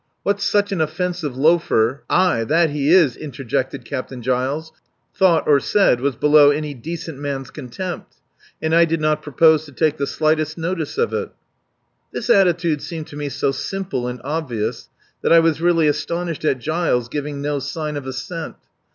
What such an offensive loafer ... "Aye! that he is," interjected Captain Giles ... thought or said was below any decent man's contempt, and I did not propose to take the slightest notice of it. This attitude seemed to me so simple and obvious that I was really astonished at Giles giving no sign of assent.